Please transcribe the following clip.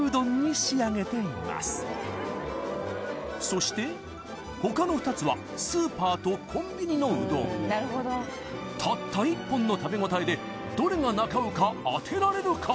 そして他の２つはスーパーとコンビニのうどんたった１本の食べごたえでどれがなか卯か当てられるか？